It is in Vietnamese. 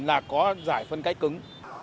là có giải phân cách cứng